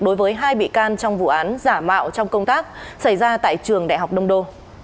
đối với hai bị can trong vụ án giả mạo trong công tác xảy ra tại trường đại học đông đô